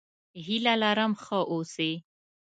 هيله لرم ښه اوسې!